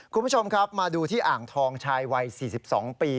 คุณผู้ชมครับมาดูที่อ่างทองชายวัย๔๒ปี